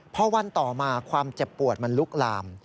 พอวันต่อมาความเจ็บปวดมันลุกลาม